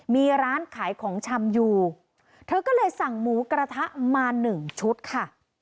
มีร้านขายของชำอยู่เธอก็เลยสั่งหมูกระทะมาหนึ่งชุดค่ะ